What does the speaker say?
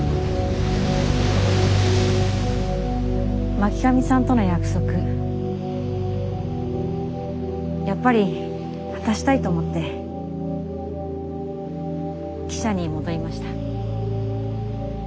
巻上さんとの約束やっぱり果たしたいと思って記者に戻りました。